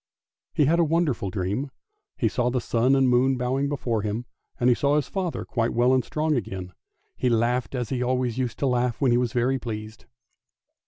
He had a wonderful dream ; he saw the sun and moon bowing before him, and he saw his father quite well and strong again; he laughed as he always used to laugh when he was very pleased.